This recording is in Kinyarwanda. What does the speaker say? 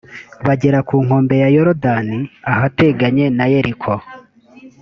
bagera ku nkombe ya yorudani ahateganye na yeriko.